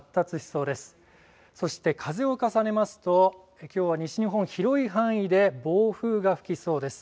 そして、風を重ねますと、きょうは西日本、広い範囲で暴風が吹きそうです。